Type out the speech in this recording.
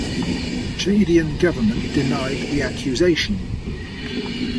Chadian government denied the accusation.